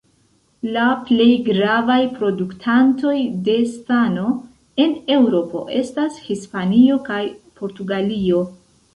La plej gravaj produktantoj de stano en Eŭropo estas Hispanio kaj Portugalio.